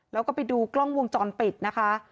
แล้วก็ไปดูกล้องวงจรปิดนะคะ